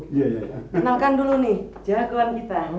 kenalkan dulu nih jagoan kita